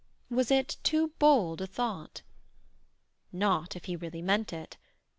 Was it too bold a thought? Not if he really meant it.